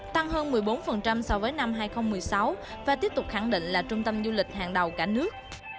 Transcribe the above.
tăng hơn một mươi bốn so với năm hai nghìn một mươi sáu và tiếp tục khẳng định là trung tâm du lịch hàng đầu cả nước